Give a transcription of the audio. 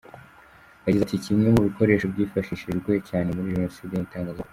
Yagize ati “Kimwe mu bikoresho byifashishijwe cyane muri Jenoside ni itangazamakuru.